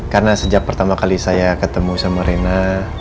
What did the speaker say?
karena sejak pertama kali saya ketemu sama rena